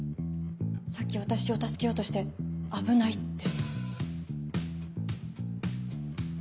さっき私を助けようとして「危ない」って。